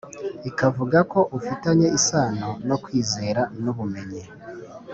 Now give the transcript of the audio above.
ikavuga ko ufitanye isano no kwizera n’ubumenyi